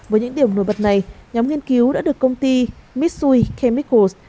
với những điểm nổi bật này nhóm nghiên cứu đã được công ty mitsui kemicals